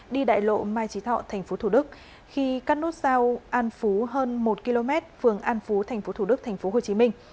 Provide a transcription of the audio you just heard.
đi đại lộ mai trí thọ tp hcm khi cắt nốt sao an phú hơn một km phường an phú tp hcm